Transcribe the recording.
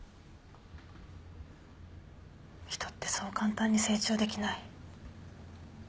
人ってそう簡単に成長できない。